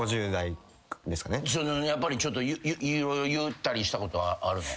やっぱり色々言ったりしたことはあるの？